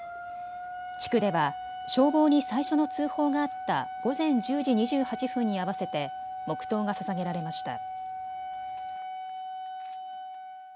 地区では消防に最初の通報があった午前１０時２８分に合わせて黙とうがささげられました。